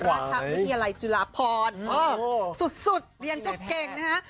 ราชวิทยาลัยจุฬาพรสุดเรียนก็เก่งนะฮะ